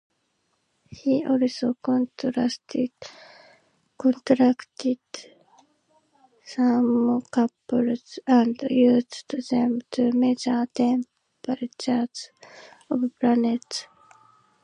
He also constructed thermocouples and used them to measure temperatures of planets.